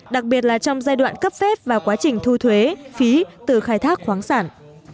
đặc biệt là trong giai đoạn cấp phép và quá trình thu thuế phí từ khai thác khoáng sản